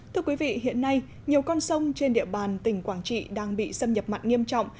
thưa quý vị hiện nay nhiều con sông trên địa bàn tỉnh quảng trị đang bị xâm nhập mặn nghiêm trọng